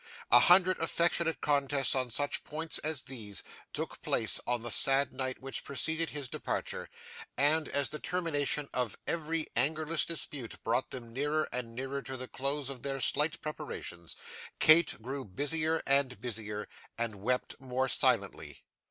A hundred affectionate contests on such points as these, took place on the sad night which preceded his departure; and, as the termination of every angerless dispute brought them nearer and nearer to the close of their slight preparations, Kate grew busier and busier, and wept more silently.